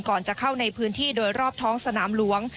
ก่อนจะเข้าในพื้นที่โดยรอบท้องสนามหลวง